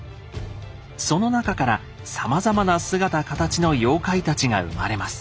その中からさまざまな姿形の妖怪たちが生まれます。